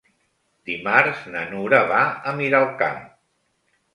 Dimarts na Nura va a Miralcamp.